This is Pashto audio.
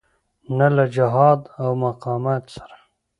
نه له جهاد او مقاومت سره.